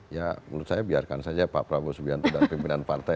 ya menurut saya biarkan saja pak prabowo subianto dan pimpinan partai